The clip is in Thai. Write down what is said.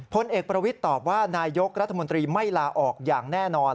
พลเอกประวิทย์ตอบว่านายกรัฐมนตรีไม่ลาออกอย่างแน่นอน